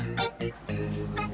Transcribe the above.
karena anaknya tidak mau pakai